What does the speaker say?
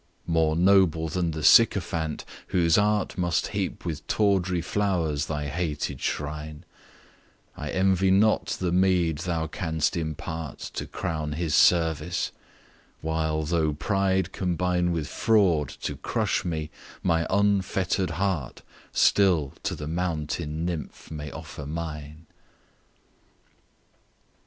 More noble than the sycophant, whose art Must heap with tawdry flowers thy hated shrine; I envy not the meed thou canst impart To crown his service while, tho' pride combine With Fraud to crush me my unfetter'd heart Still to the Mountain Nymph may offer mine.